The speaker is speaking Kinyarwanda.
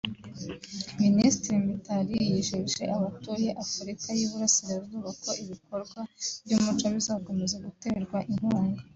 Minisitiri Mitari yijeje abatuye Afurika y’Iburasirazuba ko ibikorwa by’umuco bizakomeza guterwa inkunga